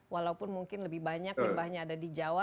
walaupun mungkin lebih banyak yang banyak ada di jawa